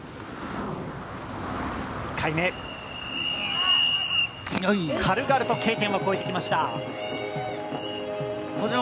１回目、軽々とＫ点は越えてきました。